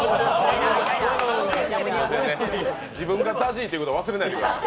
自分がＺＡＺＹってこと忘れないでください。